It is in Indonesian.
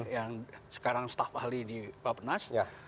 yang sekarang staff ahli di bapak penas